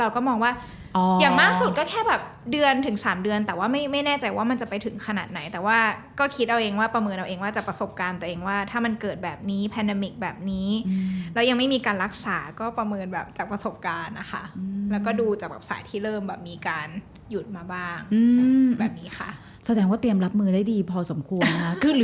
ก็มองว่าอย่างมากสุดก็แค่แบบเดือนถึง๓เดือนแต่ว่าไม่แน่ใจว่ามันจะไปถึงขนาดไหนแต่ว่าก็คิดเอาเองว่าประเมินเอาเองว่าจากประสบการณ์ตัวเองว่าถ้ามันเกิดแบบนี้แพนามิกแบบนี้แล้วยังไม่มีการรักษาก็ประเมินแบบจากประสบการณ์นะคะแล้วก็ดูจากแบบสายที่เริ่มแบบมีการหยุดมาบ้างแบบนี้ค่ะแสดงว่าเตรียมรับมือได้ดีพอสมควร